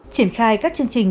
triển khai các chương trình